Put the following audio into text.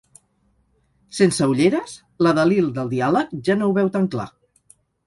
Sense ulleres l'adalil del diàleg ja no ho veu tan clar.